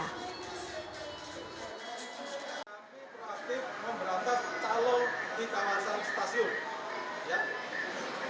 kereta api proaktif memberantas calo di kawasan stasiun